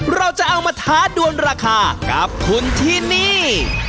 เราจะเอามาท้าดวนราคากับคุณที่นี่